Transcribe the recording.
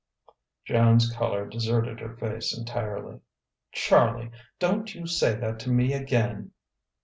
Joan's colour deserted her face entirely. "Charlie! don't you say that to me again."